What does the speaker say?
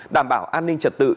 đảm bảo an ninh trật tự